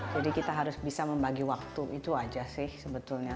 jadi kita harus bisa membagi waktu itu aja sih sebetulnya